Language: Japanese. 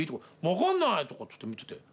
「分かんない」とかって見てて。